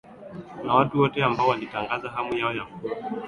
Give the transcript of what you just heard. na watu wote ambao walitangaza hamu yao ya kuwa